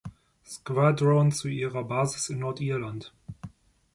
Squadron zu ihrer Basis in Nordirland.